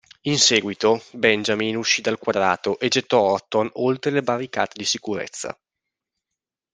In seguito, Benjamin uscì dal quadrato e gettò Orton oltre le barricate di sicurezza.